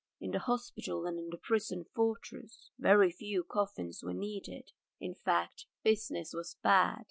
In the hospital and in the prison fortress very few coffins were needed. In fact business was bad.